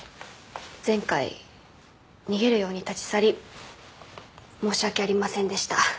前回逃げるように立ち去り申し訳ありませんでした。